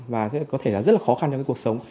và có thể là rất là khó khăn cho cái cuộc sống